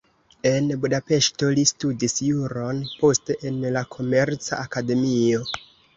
En Budapeŝto li studis juron, poste en la komerca akademio.